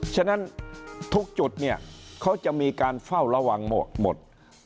ฉะนั้นทุกจุดเนี่ยเขาจะมีการเฝ้าระวังหมด